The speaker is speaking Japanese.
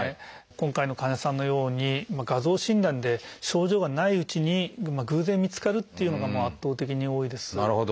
今回の患者さんのように画像診断で症状がないうちに偶然見つかるっていうのがもう圧倒的に多いです。